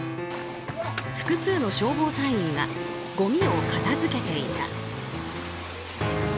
複数の消防隊員がごみを片付けていた。